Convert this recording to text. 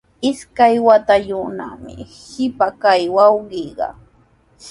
Isqun watayuqnami qipa kaq wawqiiqa.